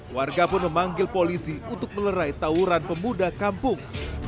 warga pun memanggil polisi untuk melerai tawuran pemuda kampung